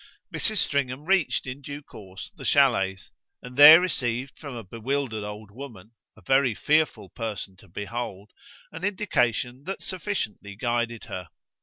Mrs. Stringham reached in due course the chalets, and there received from a bewildered old woman, a very fearful person to behold, an indication that sufficiently guided her.